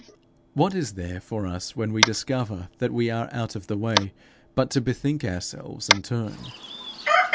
What is there for us when we discover that we are out of the way, but to bethink ourselves and turn?